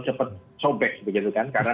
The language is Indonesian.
lepas dari apakah tiketnya sudah diberikan